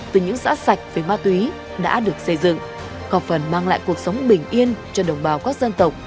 từ những xã sạch về ma túy đã được xây dựng có phần mang lại cuộc sống bình yên cho đồng bào các dân tộc